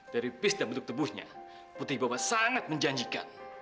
dari pis dan bentuk tebuhnya putih bapak sangat menjanjikan